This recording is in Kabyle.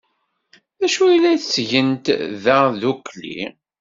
D acu ay la ttgent da ddukkli?